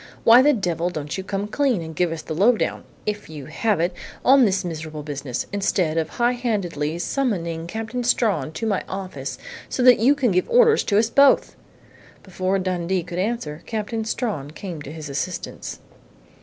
"Why the devil don't you come clean and give us the low down if you have it! on this miserable business, instead, of high handedly summoning Captain Strawn to my office, so that you can give orders to us both?" Before Dundee could answer, Captain Strawn came to his assistance.